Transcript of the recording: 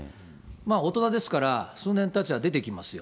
大人ですから数年たちゃ出てきますよ。